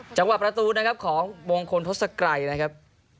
จังหวะประตูนะครับของมงคลทศกรัยนะครับ